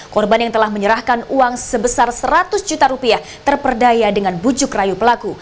korban yang telah menyerahkan uang sebesar seratus juta rupiah terperdaya dengan bujuk rayu pelaku